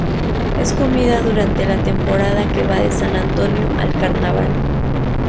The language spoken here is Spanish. Es comida durante la temporada que va de San Antonio al Carnaval.